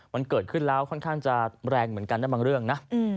มันเกิดขึ้นแล้วค่อนข้างจะแรงเหมือนกันนะบางเรื่องนะ